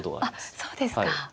あっそうですか。